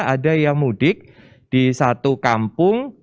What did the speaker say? ada yang mudik di satu kampung